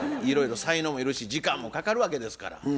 いろいろ才能もいるし時間もかかるわけですから。